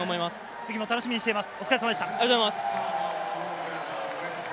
次も楽しみにしています。